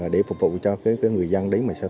để phục vụ cho người dân đấy sơ tán cho đổ bão